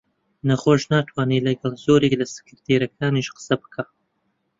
نەخۆش ناتوانێ لەگەڵ زۆرێک لە سکرتێرەکانیش قسە بکا